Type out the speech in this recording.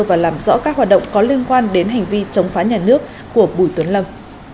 và làm rõ các hoạt động có liên quan đến hành vi chống phá nhà nước của bùi tuấn lâm